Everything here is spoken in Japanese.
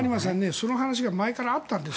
その話は前からあったんです。